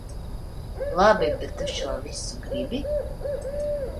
Labi, bet tu šo visu gribi?